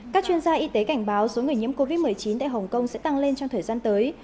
các chuyên gia y tế cảnh báo số người nhiễm covid một mươi chín tại hồng kông sẽ tăng lên trong thời gian tới